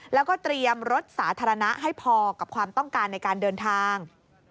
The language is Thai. แล้วก็เตรียมรถสาธารณะให้พอกับความต้องการในการเดินทาง